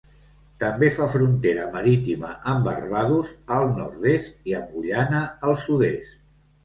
També fa frontera marítima amb Barbados, al nord-est, i amb Guyana, al sud-est.